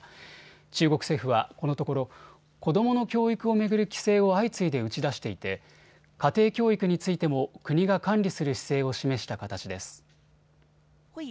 中国政府はこのところ子どもの教育を巡る規制を相次いで打ち出していて家庭教育についても国が管理する姿勢を示した形です。